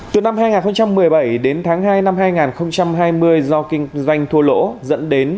từ năm hai nghìn một mươi bảy đến tháng hai năm hai nghìn hai mươi do kinh doanh thua lỗ dẫn đến